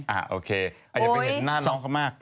โอเคอาจจะไปเห็นหน้าน้องเขามาก